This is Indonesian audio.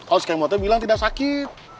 kalau si kemotnya bilang tidak sakit